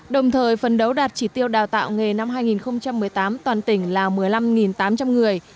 đồng thời phấn đấu đạt chỉ tiêu đào tạo nghề năm hai nghìn một mươi tám toàn tỉnh là một mươi năm tám trăm linh người